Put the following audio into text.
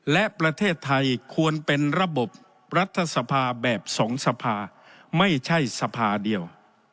และประเทศไทยควรเป็นระบบรัฐสภาแบบสองสภาไม่ใช่สภาเดียว